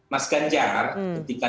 mas ganjar ketika